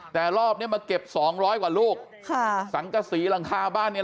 แต่รอบเนี้ยมาเก็บสองร้อยกว่าลูกค่ะสังกษีหลังคาบ้านเนี่ย